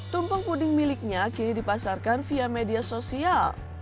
tumpeng puding miliknya kini dipasarkan via media sosial